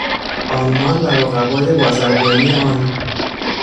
آلمان و رقبای بازرگانی آن